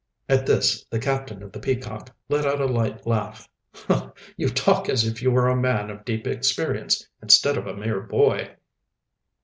At this the captain of the Peacock let out a light laugh. "You talk as if you were a man of deep experience instead of a mere boy."